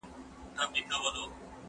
ټول جهان ورته تیاره سو لاندي باندي